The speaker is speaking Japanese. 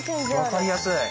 分かりやすい。